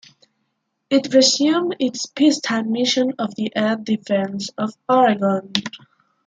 It resumed its peacetime mission of the air defense of Oregon.